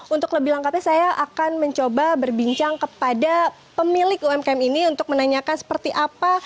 untuk lebih lengkapnya saya akan mencoba berbincang kepada pemilik umkm ini untuk menanyakan seperti apa